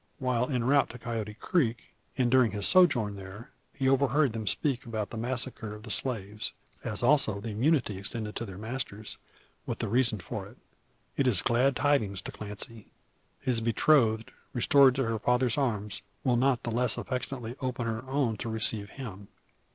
While en route to Coyote Creek, and during his sojourn there, he overheard them speak about the massacre of the slaves, as also the immunity extended to their masters, with the reason for it. It is glad tidings to Clancy, His betrothed, restored to her father's arms, will not the less affectionately open her own to receive him.